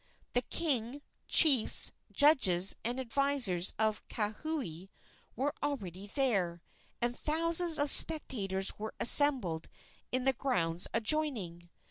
The king, chiefs, judges and advisers of Kauhi were already there, and thousands of spectators were assembled in the grounds adjoining.